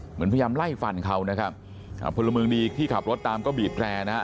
เหมือนพยายามไล่ฟันเขานะครับอ่าพลเมืองดีที่ขับรถตามก็บีบแรร์นะฮะ